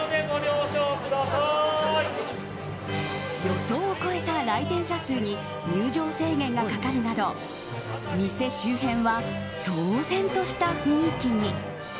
予想を超えた来店者数に入場制限がかかるなど店周辺は騒然とした雰囲気に。